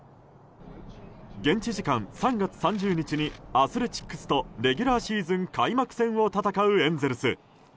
現地時間３月３０日にアスレチックスとレギュラーシーズン開幕戦を戦うエンゼルス。